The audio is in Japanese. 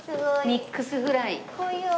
ミックスフライ。